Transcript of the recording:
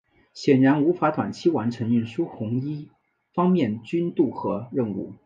显然无法短期完成运输红一方面军渡河任务。